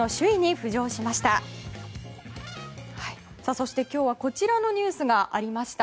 そして、今日はこちらのニュースがありました。